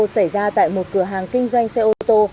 xảy ra tại một cửa hàng kinh doanh xe ô tô